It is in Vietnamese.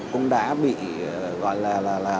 cũng đã bị gọi là